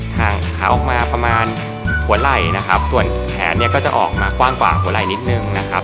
ขาออกมาประมาณหัวไหล่นะครับส่วนแขนเนี่ยก็จะออกมากว้างกว่าหัวไหล่นิดนึงนะครับ